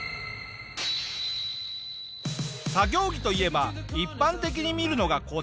作業着といえば一般的に見るのがこちらのタイプ。